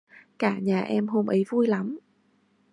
cả nhà em hôm ấy vui lắm